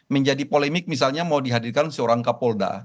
menjadi polemik misalnya mau dihadirkan seorang kapolda